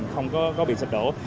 không có bị sụt đổ